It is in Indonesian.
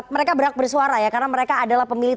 mereka berhak bersuara ya karena mereka adalah pemilih